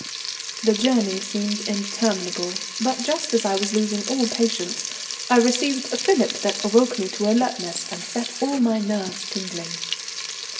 The journey seemed interminable, but just as I was losing all patience, I received a fillip that awoke me to alertness, and set all my nerves tingling.